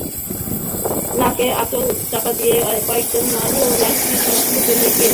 নাকে আঁচল চাপা দিয়ে কয়েকজন নারীও লাশটি শনাক্তের জন্য এগিয়ে গেলেন।